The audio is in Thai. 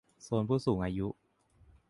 โซนผู้สูงอายุ